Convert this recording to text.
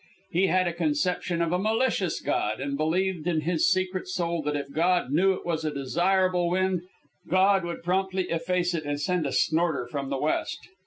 He had a conception of a malicious God, and believed in his secret soul that if God knew it was a desirable wind, God would promptly efface it and send a snorter from the west.